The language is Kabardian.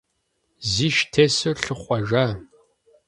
Зиш тесу лъыхъуэжа.